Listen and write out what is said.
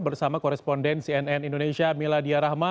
bersama koresponden cnn indonesia miladia rahma